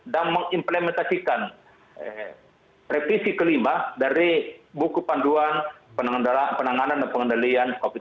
dan mengimplementasikan repisi kelima dari buku panduan penanganan dan pengendalian covid sembilan belas